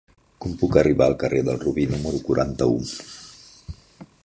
Com puc arribar al carrer del Robí número quaranta-u?